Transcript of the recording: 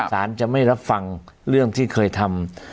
สารจะไม่รับฟังเรื่องที่เคยทำ